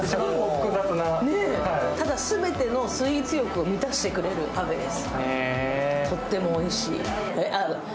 ただ全てのスイーツ欲を満たしてくれるパフェです。